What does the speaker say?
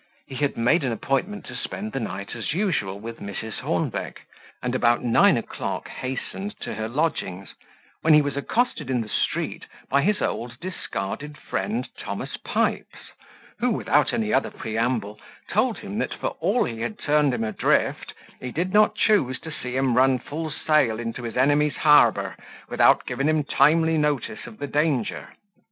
He had made an appointment to spend the night, as usual, with Mrs. Hornbeck; and about nine o'clock hastened to her lodgings, when he was accosted in the street by his old discarded friend Thomas Pipes, who, without any other preamble, told him, that for all he had turned him adrift, he did not choose to see him run full sail into his enemy's harbour, without giving him timely notice of the danger.